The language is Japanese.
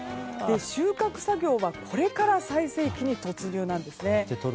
収穫作業は、これから最盛期に突入なんですね。